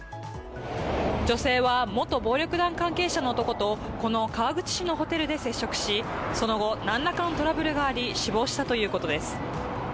女性は元暴力団関係者の男と、この川口市のホテルで接触し、その後、なんらかのトラブルがあり死亡したということです。